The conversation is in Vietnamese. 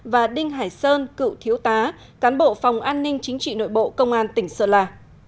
và đinh hải sơn cựu thiếu tá cán bộ phòng an ninh chính trị nội bộ công an tỉnh sơn la